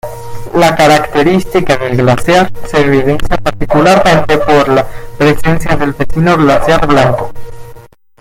La característica del glaciar se evidencia particularmente por la presencia del vecino glaciar Blanco.